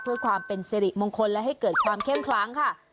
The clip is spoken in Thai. เพื่อความเป็นสิริมงคลและให้เกิดความเข้มคลั้งค่ะ